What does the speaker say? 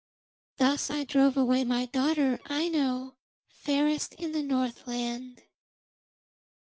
Thus I drove away my daughter, Aino, fairest in the Northland.'